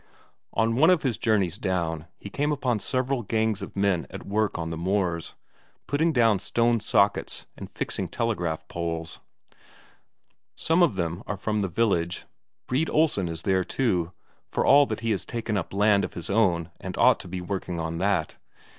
On one of his journeys down, he came upon several gangs of men at work on the moors; putting down stone sockets and fixing telegraph poles. Some of them are from the village, Brede Olsen is there too, for all that he has taken up land of his own and ought to be working on that.